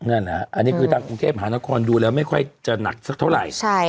นั่นแหละอันนี้คือทางกรุงเทพหานครดูแล้วไม่ค่อยจะหนักสักเท่าไหร่